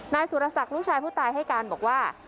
นายสุรศักดิ์ลูกชายผู้ตายให้การบอกว่า